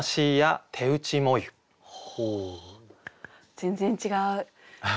全然違う。